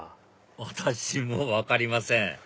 私も分かりません